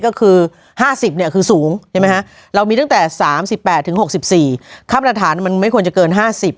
ก็คือ๕๐คือสูงเรามีตั้งแต่๓๘๖๔ครับราฐานมันไม่ควรเกิน๕๐